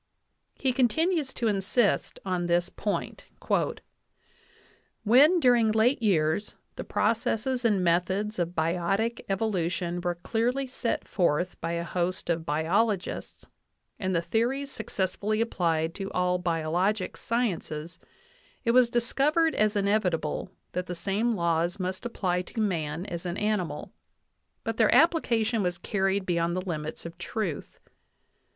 He continues to insist on this point : "When, during late years, the processes and methods of biotic evolution were clearly set forth by a host of biologists, and the theories suc cessfully applied to all biologic sciences, it was discovered as inevitable that the same laws must apply to man as an animal. But their application was carried beyond the limits of truth.